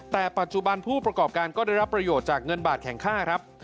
แต่ปัจจุบันผู้ประกอบการก็ได้รับประโยชน์จากเงินบาทแข่งค่าครับ